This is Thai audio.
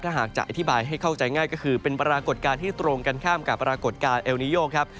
ถ้าหากจะอธิบายให้เข้าใจง่ายก็คือเป็นปรากฏการณ์ที่ตรงกันข้ามกับปรากฏการณ์เอลนิโยครับ